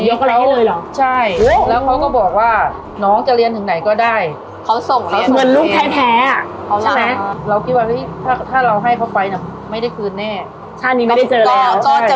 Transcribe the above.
มีข้อเสนออยากให้แม่หน่อยอ่อนสิทธิ์การเลี้ยงดูลู